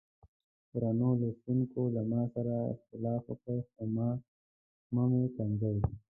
درنو لوستونکو له ما سره اختلاف وکړئ خو مه مې ښکنځئ.